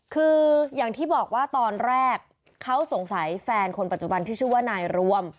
คืออย่างที่บอกว่าตอนแรกเขาสงสัยแฟนคนปัจจุบันที่ชื่อว่านายรวม